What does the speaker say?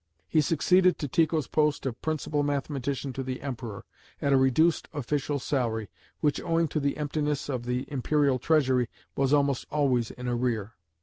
He succeeded to Tycho's post of principal mathematician to the Emperor, at a reduced official salary, which owing to the emptiness of the Imperial treasury was almost always in arrear.